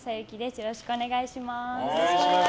よろしくお願いします。